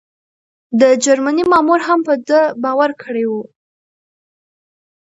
د جرمني مامور هم په ده باور کړی و.